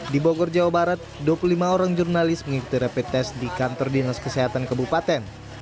di bogor jawa barat dua puluh lima orang jurnalis mengikuti rapid test di kantor dinas kesehatan kabupaten